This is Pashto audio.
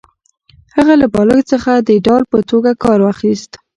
هغه له بالښت څخه د ډال په توګه کار اخیست